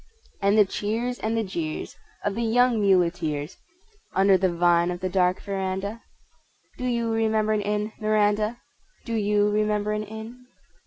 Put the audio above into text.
And the cheers and the jeers of the young muleteers (Under the vine of the dark veranda)? Do you remember an Inn, Miranda, Do you remember an Inn?